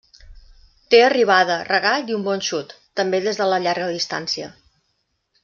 Té arribada, regat i un bon xut, també des de la llarga distància.